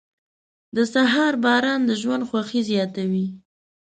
• د سهار باران د ژوند خوښي زیاتوي.